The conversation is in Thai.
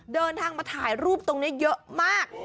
เดินทางมาถ่ายรูปตรงนี้เยอะมาก